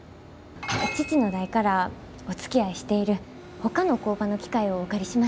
父の代からおつきあいしているほかの工場の機械をお借りしました。